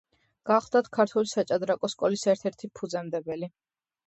გახლდათ, ქართული საჭადრაკო სკოლის ერთ-ერთი ფუძემდებელი.